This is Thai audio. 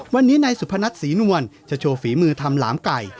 วันนี้นายสุพนัทศรีนวลจะโชว์ฝีมือทำหลามไก่